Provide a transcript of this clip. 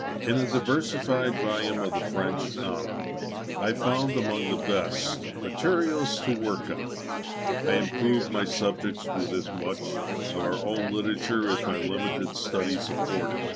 In the diversified volumes of the French Ana, I found, among the best, materials to work on. I improved my subjects with as much of our own literature as my limited studies afforded.